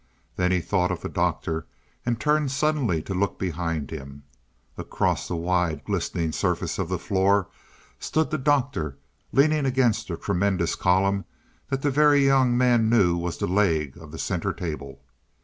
Then he thought of the Doctor, and turned suddenly to look behind him. Across the wide, glistening surface of the floor stood the Doctor, leaning against the tremendous column that the Very Young Man knew was the leg of the center table.